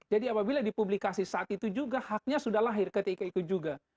jadi apabila dipublikasi saat itu juga haknya sudah lahir ketika itu juga